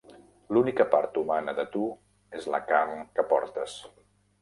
L'única part humana de tu és la carn que portes.